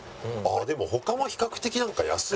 でも他も比較的なんか安いよ。